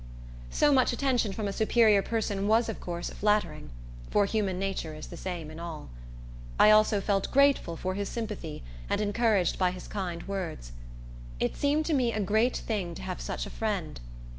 So much attention from a superior person was, of course, flattering; for human nature is the same in all. I also felt grateful for his sympathy, and encouraged by his kind words. It seemed to me a great thing to have such a friend.